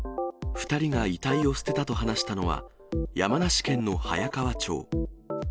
２人が遺体を捨てたと話したのは、山梨県の早川町。